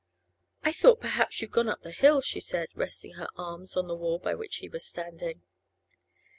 'I thought perhaps you'd gone up the hill,' she said, resting her arms on the wall by which he was standing.